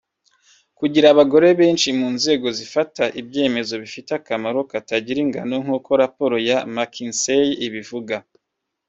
Kugira abagore benshi mu nzego zifata ibyemezo bifite akamaro katagira ingano nk’uko raporo ya McKinsey ibivuga